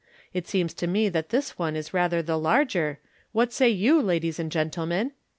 It seems to me that this one is rathe/ the larger, what say you, ladies and gentlemen